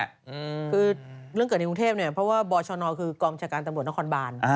คือเรื่องเกิดในกรุงเทพเนี่ยเพราะว่าบชนคือกองชาการตำรวจนครบาน